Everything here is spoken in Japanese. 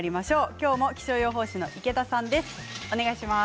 今日も気象予報士の池田さんです。